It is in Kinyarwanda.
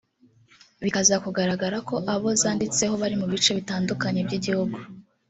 bikaza kugaragara ko abo zanditseho bari mu bice bitandukanye by’igihugu